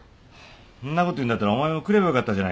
そんなこと言うんだったらお前も来ればよかったじゃないか。